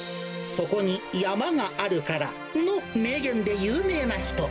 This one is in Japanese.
そこに山があるからの名言で有名な人。